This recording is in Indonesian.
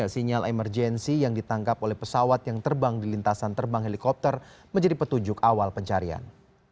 sinyal emergensi yang ditangkap oleh pesawat yang terbang di lintasan terbang helikopter menjadi petunjuk awal pencarian